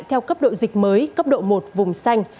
theo cấp độ dịch mới cấp độ một vùng xanh